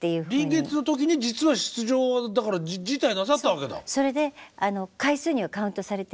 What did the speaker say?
臨月の時に実は出場を辞退なさったわけだ。